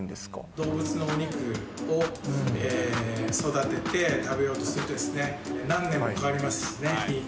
動物のお肉を育てて食べようとすると、何年もかかりますしね。